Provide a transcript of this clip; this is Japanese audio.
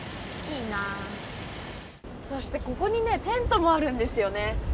そしてここにテントもあるんですよね。